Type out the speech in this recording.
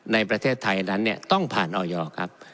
ในประเทศไทยนั้นต้องผ่านออยครับ